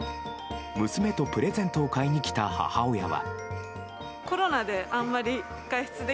娘とプレゼントを買いに来た母親は。